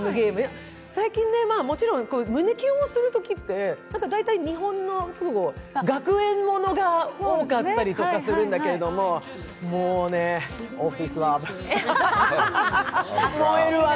最近、胸キュンをするときって日本の学園ものが多かったりするんだけれども、もうね、オフィスラブ燃えるわね